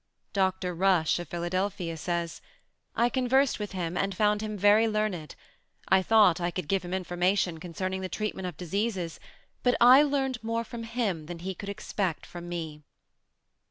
Dr. Rush, of Philadelphia, says, "I conversed with him, and found him very learned: I thought I could give him information concerning the treatment of diseases, but I learned more from him than he could expect from me."